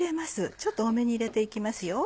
ちょっと多めに入れて行きます。